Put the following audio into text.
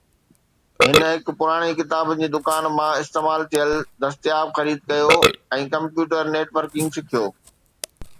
هن هڪ پراڻي ڪتابن جي دڪان مان استعمال ٿيل دستياب خريد ڪيو ۽ ڪمپيوٽر نيٽ ورڪنگ سکيو.